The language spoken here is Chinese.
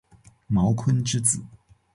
茅坤之子。